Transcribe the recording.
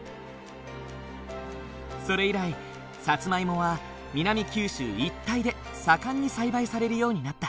それ以来サツマイモは南九州一帯で盛んに栽培されるようになった。